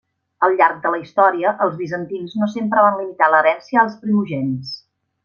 Al llarg de la història, els bizantins no sempre van limitar l'herència als primogènits.